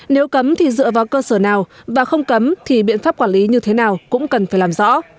nếu cấm thì dựa vào cơ sở nào và không cấm thì biện pháp quản lý như thế nào cũng cần phải làm rõ